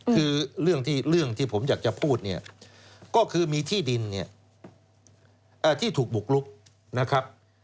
คือเรื่องที่ผมอยากจะพูดเนี่ยก็คือมีที่ดินเนี่ยที่ถูกบุกลุกนะครับ